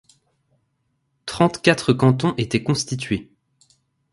Trente-quatre cantons étaient constitués.